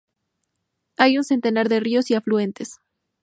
Hay un centenar de ríos y afluentes.